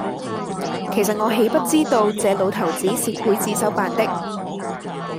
其實我豈不知道這老頭子是劊子手扮的！